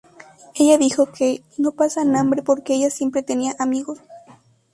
Ella dijo que "no pasan hambre porque ella siempre tenía amigos".